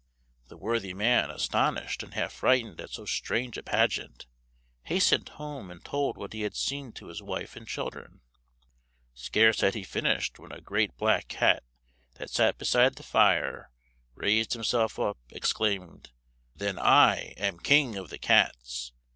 The worthy man, astonished and half frightened at so strange a pageant, hastened home and told what he had seen to his wife and children. Scarce had he finished, when a great black cat that sat beside the fire raised himself up, exclaimed "Then I am king of the cats!"